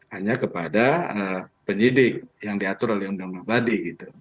hanya kepada penyidik yang diatur oleh undang undang tadi